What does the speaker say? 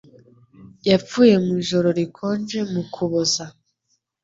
Yapfuye mu ijoro rikonje mu Kuboza.